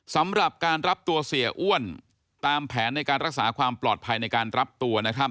สำหรับการรับตัวเสียอ้วนตามแผนในการรักษาความปลอดภัยในการรับตัวนะครับ